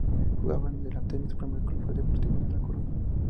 Jugaba de delantero y su primer club fue el Deportivo de La Coruña.